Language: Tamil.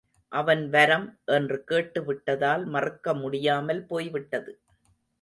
அவன் வரம் என்று கேட்டு விட்டதால் மறுக்க முடியாமல் போய்விட்டது.